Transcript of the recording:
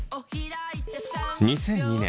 ２００２年